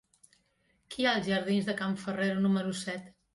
Què hi ha als jardins de Can Ferrero número set?